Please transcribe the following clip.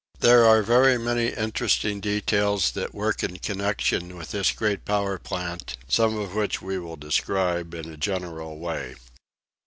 There are very many interesting details that work in connection with this great power plant, some of which we will describe, in a general way.